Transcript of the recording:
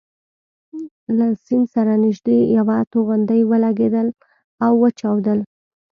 له سیند سره نژدې یوه توغندۍ ولګېدل او وچاودل.